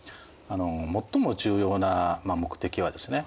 最も重要な目的はですね